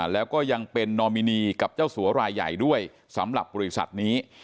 แล้วก็ยังเป็นนอมินีกับเจ้าสัวรายใหญ่ด้วยสำหรับบริษัทนี้